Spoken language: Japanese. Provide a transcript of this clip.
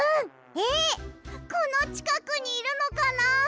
えっこのちかくにいるのかなあ？